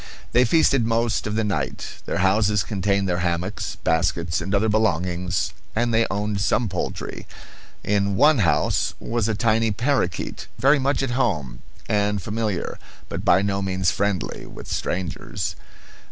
They feasted most of the night. Their houses contained their hammocks, baskets, and other belongings, and they owned some poultry. In one house was a tiny parakeet, very much at home, and familiar, but by no means friendly, with strangers.